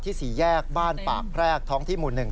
ที่สี่แยกบ้านปากแพรกท้องที่หมู่หนึ่ง